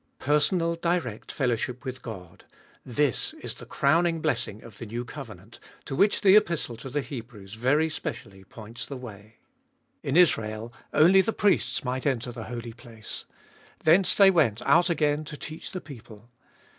Personal, direct fellowship with God : this is the crowning 276 abe Tboliest of ail blessing of the new covenant, to which the Epistle to the Hebrews very specially points the way. In Israel only the priests might enter the Holy Place : thence they went out again to teach the people.